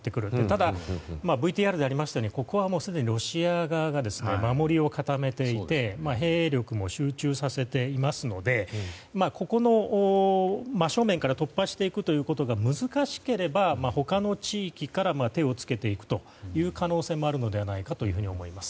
ただ、ＶＴＲでありましたようにここはすでにロシア側が守りを固めていて兵力も集中させていますのでここの真正面から突破していくということが難しければ他の地域から手を付けていく可能性もあるのではないかというふうに思います。